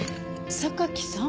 榊さん？